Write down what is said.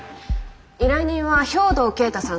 依頼人は兵藤圭太さん